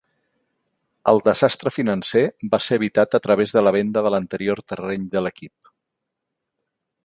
El desastre financer va ser evitat a través de la venda de l'anterior terreny de l'equip.